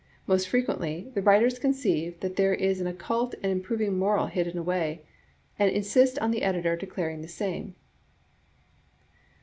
Most frequently the writers conceive that there is an occult and improving moral hidden away, and insist on the editor declaring the same.